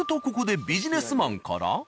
ここでビジネスマンから。